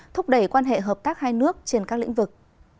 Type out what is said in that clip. thúc đẩy quan hệ hợp tác hai nước trên các lĩnh vực